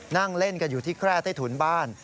นั่งเล่นกันอยู่ที่แคร่ใต้ถุนบ้าน